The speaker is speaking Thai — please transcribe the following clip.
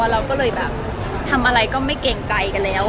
เราก็เลยแบบทำอะไรก็ไม่เกรงใจกันแล้ว